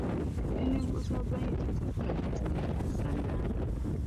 Ni ninvuɣu shεba ban yi ti tum kavi tuma timdi sadaani.